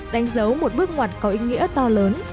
đánh dấu một bước ngoặt có ý nghĩa to lớn